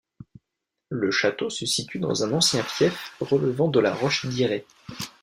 Le château se situe dans un ancien fief relevant de la Roche d'Iré.